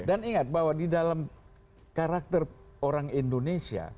dan ingat bahwa di dalam karakter orang indonesia